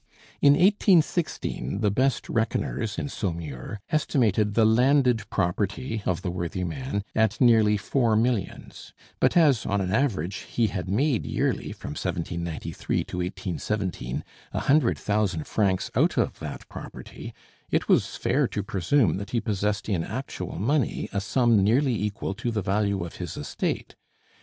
In 1816 the best reckoners in Saumur estimated the landed property of the worthy man at nearly four millions; but as, on an average, he had made yearly, from 1793 to 1817, a hundred thousand francs out of that property, it was fair to presume that he possessed in actual money a sum nearly equal to the value of his estate.